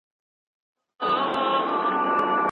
وارث به خپله غولکه پټه کړي.